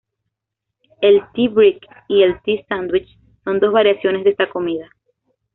El "tea break" y el "tea sandwich" son dos variaciones de esta comida.